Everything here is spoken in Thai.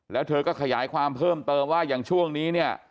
แล้วเธอก็ขยายความเพิ่มเติมว่าอย่างช่วงนี้เนี่ย